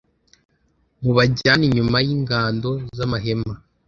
mubajyane inyuma y ‘ingando z ‘amahema.